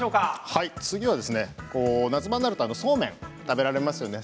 次は夏場になるとそうめんを食べられますよね。